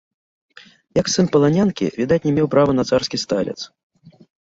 Як сын паланянкі, відаць, не меў права на царскі сталец.